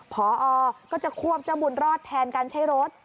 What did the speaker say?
พอก็จะควบเจ้าบุญรอดแทนการใช้รถ